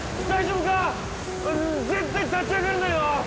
絶対立ち上がるなよ。